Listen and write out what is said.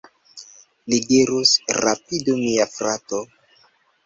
Li dirus: "rapidu, mia frato!"